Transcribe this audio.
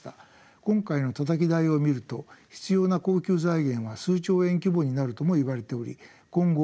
今回のたたき台を見ると必要な恒久財源は数兆円規模になるともいわれており今後大きな議論になるでしょう。